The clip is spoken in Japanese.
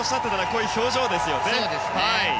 こういう表情ですよね。